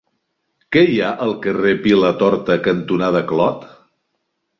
Què hi ha al carrer Vilatorta cantonada Clot?